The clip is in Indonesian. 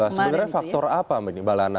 sebenarnya faktor apa mbak lana